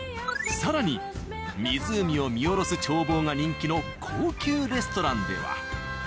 更に湖を見下ろす眺望が人気の高級レストランでは。